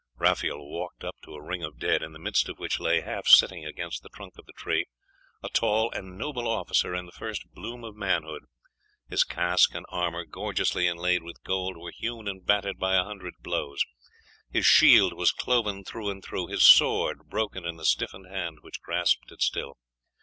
Raphael walked up to a ring of dead, in the midst of which lay, half sitting against the trunk of the tree, a tall and noble officer in the first bloom of manhood. His casque and armour, gorgeously inlaid with gold, were hewn and battered by a hundred blows; his shield was cloven through and through; his sword broken in the stiffened hand which grasped it still.